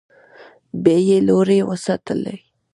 بیې لوړې وساتي.